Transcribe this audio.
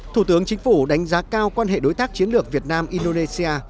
thủ tướng chính phủ đánh giá cao quan hệ đối tác chiến lược việt nam indonesia